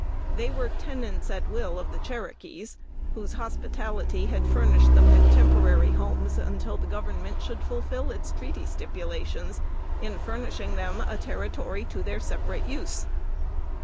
They were tenants at will of the Cherokees, whose hospitality had furnished them with temporary homes until the Government should fulfill its treaty stipulations, in furnishing them a territory to their separate use.